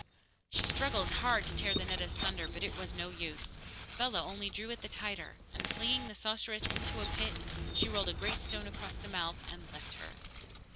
She struggled hard to tear the net asunder, but it was no use. Bellah only drew it the tighter, and, flinging the sorceress into a pit, she rolled a great stone across the mouth, and left her.